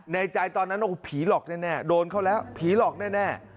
ในใจตอนนั้นโดนเขาแล้วผีหลอกแน่